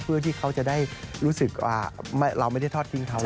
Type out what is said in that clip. เพื่อที่เขาจะได้รู้สึกว่าเราไม่ได้ทอดทิ้งเขา